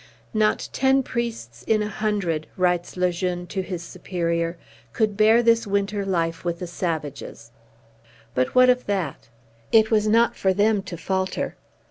"Not ten priests in a hundred," writes Le Jeune to his Superior, "could bear this winter life with the savages." But what of that? It was not for them to falter.